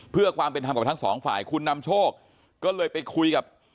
เพื่อความเป็นธรรมกับทั้งสองฝ่ายคุณนำโชคก็เลยไปคุยกับ